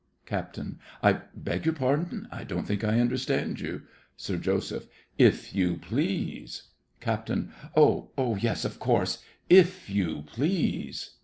CAPT. I beg your pardon—I don't think I understand you. SIR JOSEPH. If you please. CAPT. Oh, yes, of course. If you please.